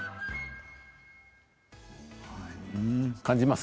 感じますか？